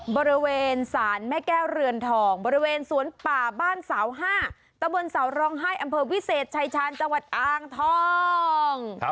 บริเวณสารแม่แก้วเรือนทองบริเวณสวนป่าบ้านเสา๕ตะบนเสาร้องไห้อำเภอวิเศษชายชาญจังหวัดอ่างทอง